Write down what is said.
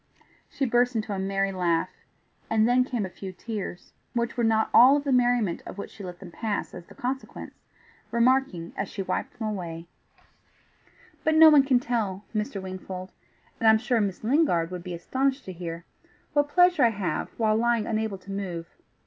She burst into a merry laugh, and then came a few tears, which were not all of the merriment of which she let them pass as the consequence, remarking, as she wiped them away, "But no one can tell, Mr. Wingfold, and I'm sure Miss Lingard would be astonished to hear what pleasure I have while lying unable to move.